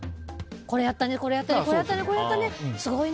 これやったね、これやったねすごいね！